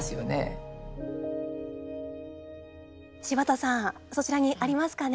柴田さんそちらにありますかね？